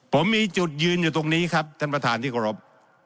ผมมีจุดยืนอยู่ตรงนี้ครับท่านประธานที่กรบ